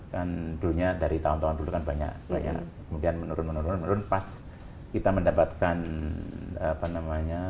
kan dulunya dari tahun tahun dulu kan banyak banyak kemudian menurun menurun menurun pas kita mendapatkan apa namanya